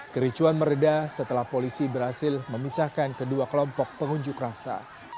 kericuan meredah setelah polisi berhasil memisahkan kedua kelompok pengunjuk rasa